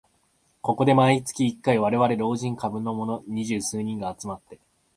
ここで毎月一回、われわれ老人株のもの二十数人が集まって